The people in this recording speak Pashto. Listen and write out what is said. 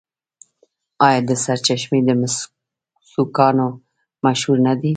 آیا د سرچشمې د مسو کان مشهور نه دی؟